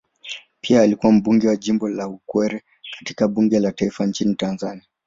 Pia alikuwa mbunge wa jimbo la Ukerewe katika bunge la taifa nchini Tanzania.